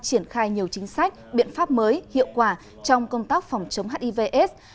triển khai nhiều chính sách biện pháp mới hiệu quả trong công tác phòng chống hivs